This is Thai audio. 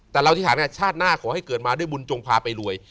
แต่เราอธิษฐานชาติหน้าขอให้เกิดมาด้วยบุญจงพาไปรวย